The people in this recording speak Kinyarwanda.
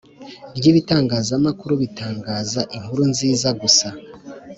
ry ibitangazamakuru bitangaza inkuru nziza gusa